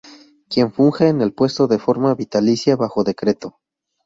Quien funge en el puesto de forma vitalicia bajo decreto.